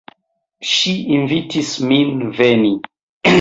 Ŝi invitis min veni.